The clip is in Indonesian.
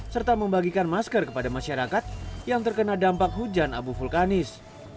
serta membagikan masker kepada masyarakat yang terkena dampak hujan abu vulkanis